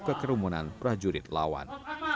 ke kerumunan prajurit lawan